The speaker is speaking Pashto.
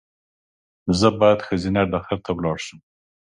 زه باید ښځېنه ډاکټر ته ولاړ شم